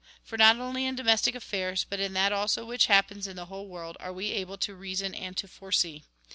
For not only in domestic affairs, but in that also which happens in the whole world, are we able to reason and to foresee.